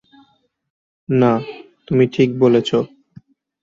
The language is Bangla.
না, তুমি ঠিক বলেছ।